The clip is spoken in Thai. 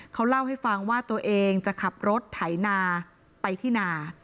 เขาเล่าให้ฟังว่าตัวเองจะขับรถไถนาไปที่นา